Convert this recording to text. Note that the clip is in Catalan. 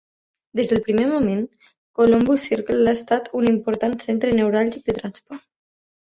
Des del primer moment, Columbus Circle ha estat un important centre neuràlgic de transport.